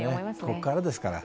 ここからですから。